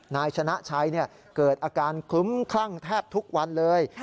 นายชนะชัยเกิดอาการคลุ้มคลั่งแทบทุกวันเลย